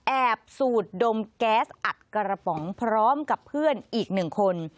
สูดดมแก๊สอัดกระป๋องพร้อมกับเพื่อนอีกหนึ่งคน